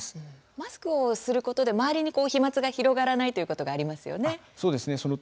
マスクをすることで周りに飛まつが広がらないということがありますよね。